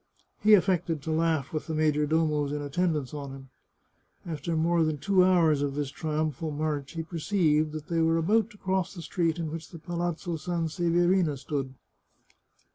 He affected to laugh with the major domos in attendance on him. After more than two hours of this triumphal march he perceived that they were about to cross the street in which the Palazzo Sanseverina stood.